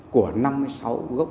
của năm mươi sáu gốc